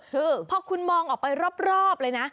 คือพอคุณมองออกไปรอบเลยนะ